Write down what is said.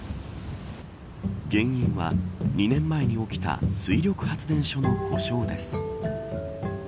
原因は、２年前に起きた水力発電所の故障です。